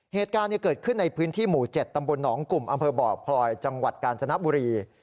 เหตุการณ์เกิดขึ้นในพื้นที่หมู่๗ตำบลหนองกลุ่มอำเภอบ่อพลอยจังหวัดกาญจนบุรี